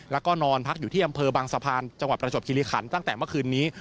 แล้วก็นอนพักอยู่ที่อำเภอบางสะพานจังหวัดประจบคิริขันตั้งแต่เมื่อคืนนี้